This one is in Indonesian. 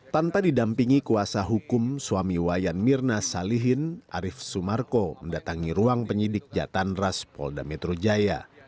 tanpa didampingi kuasa hukum suami wayan mirna salihin arief sumarko mendatangi ruang penyidik jatan ras polda metro jaya